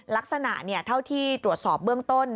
ลักษณะเท่าที่ตรวจสอบเบื้องต้น